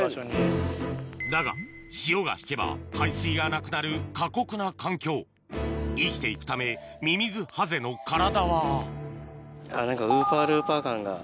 だが潮が引けば海水がなくなる過酷な環境生きて行くためミミズハゼの体は何かウーパールーパー感が。